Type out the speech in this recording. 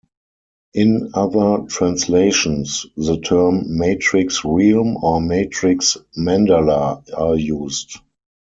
In other translations, the term "matrix realm" or Matrix Mandala are used.